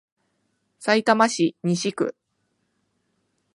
さいたま市西区